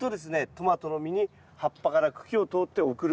トマトの実に葉っぱから茎を通って送る。